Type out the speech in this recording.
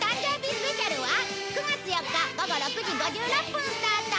スペシャルは９月４日午後６時５６分スタート！